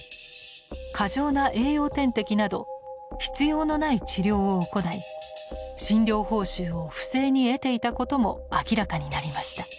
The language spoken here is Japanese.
過剰な栄養点滴など必要のない治療を行い診療報酬を不正に得ていたことも明らかになりました。